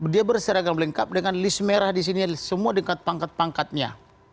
dia berseragam lengkap dengan list merah di sini semua dekat pangkat pangkatnya